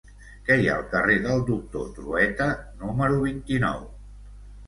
Què hi ha al carrer del Doctor Trueta número vint-i-nou?